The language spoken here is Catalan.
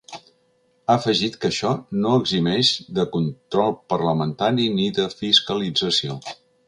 Ha afegit que això ‘no eximeix de control parlamentari ni de fiscalització’.